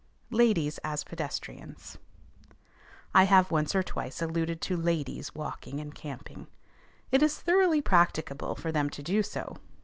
LADIES AS PEDESTRIANS. I have once or twice alluded to ladies walking and camping. It is thoroughly practicable for them to do so.